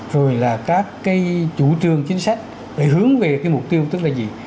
rồi là các cái chủ trương chính sách để hướng về cái mục tiêu tức là gì